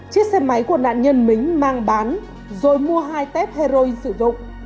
chiếc xe máy của nạn nhân mính mang bán rồi mua hai tép heroin sử dụng